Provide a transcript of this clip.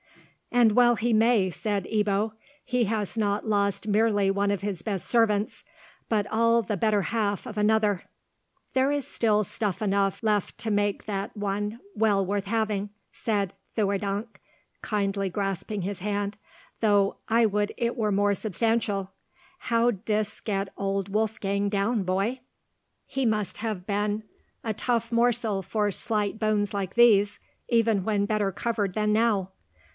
"And well he may," said Ebbo. "He has not lost merely one of his best servants, but all the better half of another." "There is still stuff enough left to make that one well worth having," said Theurdank, kindly grasping his hand, "though I would it were more substantial! How didst get old Wolfgang down, boy? He must have been a tough morsel for slight bones like these, even when better covered than now.